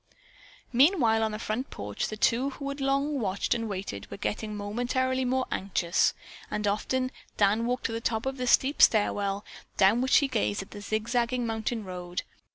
Meanwhile, on the front porch, the two who had long watched and waited, were getting momentarily more anxious, and often Dan walked to the top of the steep stairway, down which he gazed at the zig zagging mountain road.